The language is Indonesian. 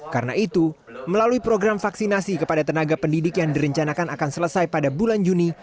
karena itu melalui program vaksinasi kepada tenaga pendidik yang direncanakan akan selesai pada bulan juni